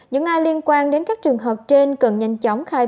những ai liên quan đến các trường hợp trên cần nhanh chóng khai